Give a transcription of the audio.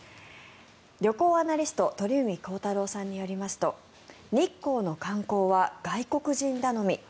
旅行アナリスト鳥海高太朗さんによりますと日光の観光は外国人頼み。